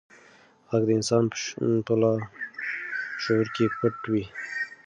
غږ د انسان په لاشعور کې پټ وي.